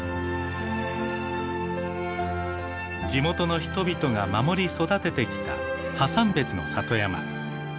地元の人々が守り育ててきたハサンベツの里山。